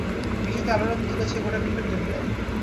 বিষয়টি আলোড়ন তুলেছে গোটা ক্রিকেট দুনিয়ায়।